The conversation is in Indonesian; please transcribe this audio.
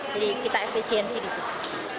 jadi kita efisiensi di situ